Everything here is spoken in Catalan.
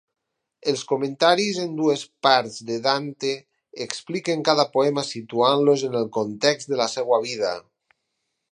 Els comentaris en dues parts de Dante expliquen cada poema situant-los en el context de la seva vida.